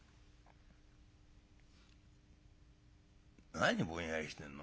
「何ぼんやりしてんの？